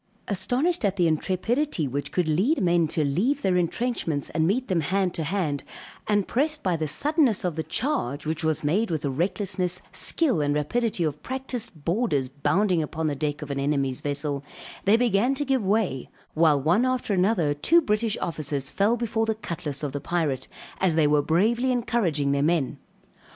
Astonished at the intrepidity which could lead men to leave their entrenchments and meet them hand to hand, and pressed by the suddenness of the charge, which was made with the recklessness, skill and rapidity of practised boarders bounding upon the deck of an enemy's vessel, they began to give way, while one after another, two British officers fell before the cutlass of the pirate, as they were bravely encouraging their men.